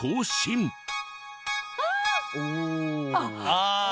ああ。